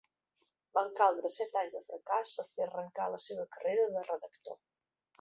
Van caldre set anys de fracàs per fer arrencar la seva carrera de redactor.